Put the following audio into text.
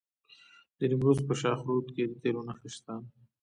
د نیمروز په خاشرود کې د تیلو نښې شته.